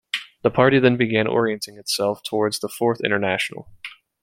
The party then began orienting itself towards the Fourth International.